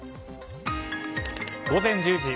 午前１０時。